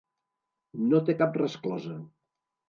No té cap resclosa.